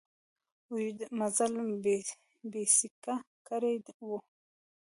اوږده مزل بېسېکه کړی و.